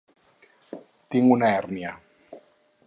Tinc una hèrnia.